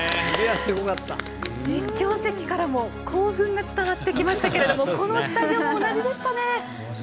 実況席からも興奮が伝わってきましたけれどもこのスタジオも同じでした。